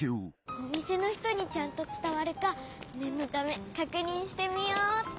おみせの人にちゃんとつたわるかねんのためかくにんしてみようっと。